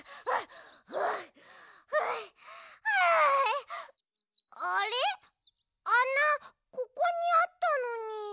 あなここにあったのに。